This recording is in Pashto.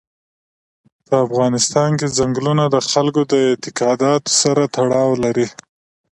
په افغانستان کې ځنګلونه د خلکو د اعتقاداتو سره تړاو لري.